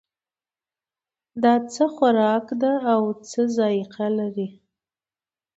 دا څه خوراک ده او څه ذائقه لري